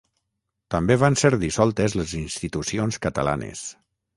També van ser dissoltes les institucions catalanes.